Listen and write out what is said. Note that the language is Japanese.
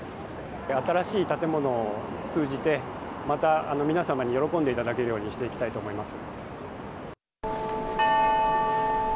新しい建物を通じて、また皆様に喜んでいただけるようにしていきたいと思います。